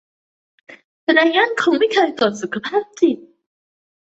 ไรอันคงไม่เคยตรวจสุจภาพจิต